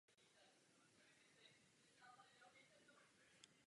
To dává dočasným ztrátám příjmů leteckých společností určitou perspektivu.